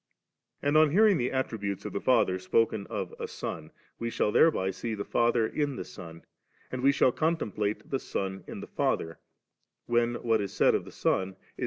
* 5. And on hearing the attributes of the Father spoken of a Son, we shall thereby see the Father in the Son ; and we shall con template the Son in the Father, when what is said of the Son is said of the Father alsa 5 John s.